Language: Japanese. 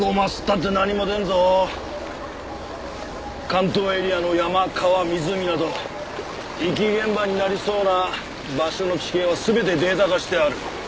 関東エリアの山川湖など遺棄現場になりそうな場所の地形は全てデータ化してある。